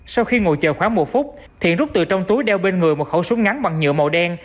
sau khi ngồi chờ khoảng một phút thiện rút từ trong túi đeo bên người một khẩu súng ngắn bằng nhựa màu đen